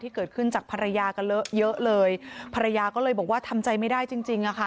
เกิดขึ้นจากภรรยากันเลอะเยอะเลยภรรยาก็เลยบอกว่าทำใจไม่ได้จริงจริงอ่ะค่ะ